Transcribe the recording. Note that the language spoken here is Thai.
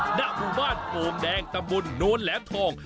หน้าบุว่านโอมแดงตำบลโน้นแล้วทอง